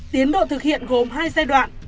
tiến độ thực hiện gồm hai giai đoạn